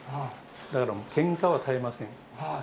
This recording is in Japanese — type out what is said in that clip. だから、けんかは絶えませんよ。